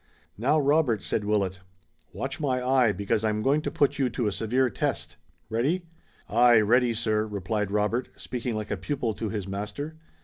"Now, Robert," said Willet, "watch my eye, because I'm going to put you to a severe test. Ready?" "Aye, ready, sir!" replied Robert, speaking like a pupil to his master.